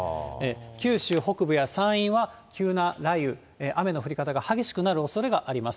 九州北部や山陰は急な雷雨、雨の降り方が激しくなるおそれがあります。